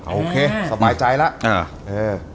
โอเคสบายใจแล้ว